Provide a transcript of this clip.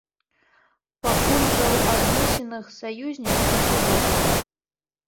Пакуль жа ў адносінах саюзніц усё добра.